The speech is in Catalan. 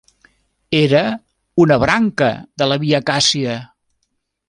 Era una branca de la Via Càsia.